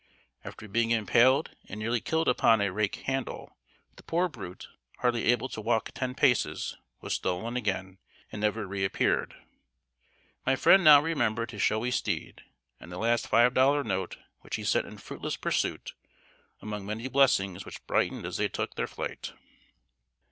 After being impaled and nearly killed upon a rake handle, the poor brute, hardly able to walk ten paces, was stolen again, and never re appeared. My friend now remembered his showy steed, and the last five dollar note which he sent in fruitless pursuit, among blessings which brightened as they took their flight.